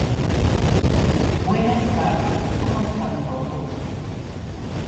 El tramo es de vía doble electrificada.